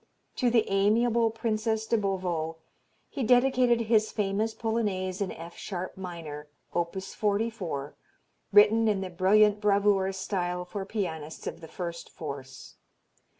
To the amiable Princess de Beauvau he dedicated his famous Polonaise in F sharp minor, op. 44, written in the brilliant bravura style for pianists of the first force.